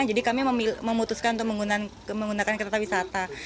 jadi kami memutuskan untuk menggunakan kereta wisata